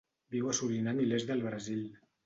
Viu a Surinam i l'est del Brasil.